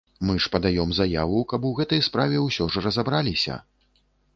Мы ж падаём заяву, каб у гэтай справе ўсё ж разабраліся.